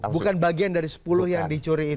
bukan bagian dari sepuluh yang dicuri itu